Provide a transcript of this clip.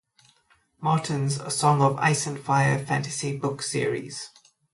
Martin's "A Song of Ice and Fire" fantasy book series.